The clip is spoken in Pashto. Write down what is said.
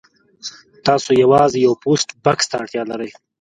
تاسو یوازې یو پوسټ بکس ته اړتیا لرئ